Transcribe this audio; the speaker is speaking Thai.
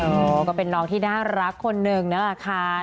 โอ้โฮก็เป็นน้องที่น่ารักคนหนึ่งนะคะ